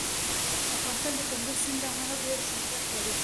افغانستان د کندز سیند له امله ډېر شهرت لري.